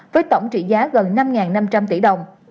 với tổng trị giá gần năm năm trăm linh tỷ đồng